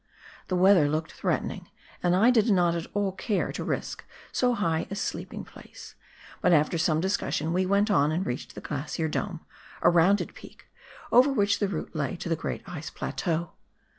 The weather looked threatening, and I did not at all care to risk so high a sleep ing place, but after some discussion we went on and reached the Glacier Dome, a rounded peak, over which the route lay to the great Ice Plateau.